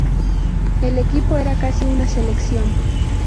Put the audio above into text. El equipo era casi una selección.